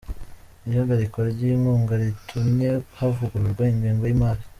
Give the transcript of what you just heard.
Ihagarikwa ry’inkunga ritumye havugururwa Ingengo y’Imari